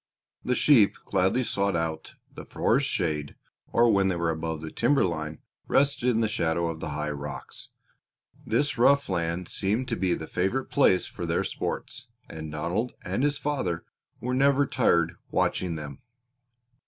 The sheep gladly sought out the forest shade or, when they were above the timber line, rested in the shadow of the high rocks. This rough land seemed to be the favorite place for their sports, and Donald and his father were never tired watching them.